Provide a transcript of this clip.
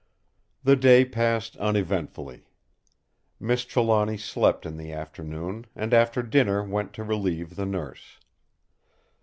The day passed uneventfully. Miss Trelawny slept in the afternoon; and after dinner went to relieve the Nurse.